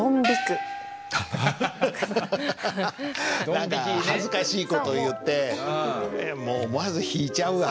何か恥ずかしい事を言ってもう思わず引いちゃうわ。